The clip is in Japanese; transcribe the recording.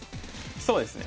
そうですね。